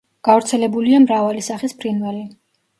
გავრცელებულია მრავალი სახის ფრინველი.